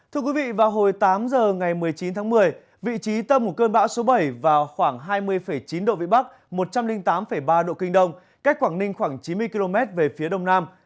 thưa quý vị vào hồi tám giờ ngày một mươi chín tháng một mươi vị trí tâm bão số bảy vào khoảng hai mươi chín độ vĩ bắc một trăm linh tám ba độ kinh đông cách quảng ninh khoảng chín mươi km về phía đông nam